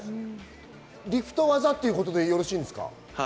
リフト技ということでよろしいんですか？